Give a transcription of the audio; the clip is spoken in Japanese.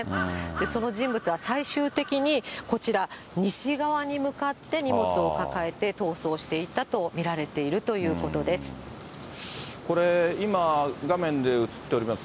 その人物は最終的にこちら、西側に向かって荷物を抱えて逃走していったと見られているというこれ、今、画面で映っております